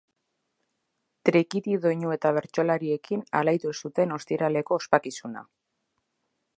Trikiti doinu eta bertsolariekin alaitu zuten ostiraleko ospakizuna.